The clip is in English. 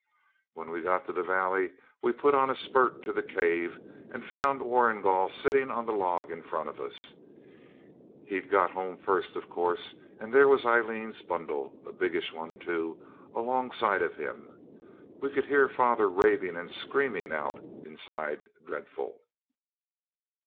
When we got to the valley we put on a spurt to the cave, and found Warrigal sitting on the log in front of us. He'd got home first, of course, and there was Aileen's bundle, a biggish one too, alongside of him. We could hear father raving and screaming out inside dreadful.